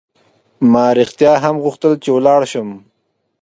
ما رښتیا هم غوښتل چې ولاړ شم.